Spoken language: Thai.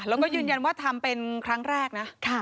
แล้วก็ยืนยันว่าทำเป็นครั้งแรกนะ